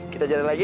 kita jalan lagi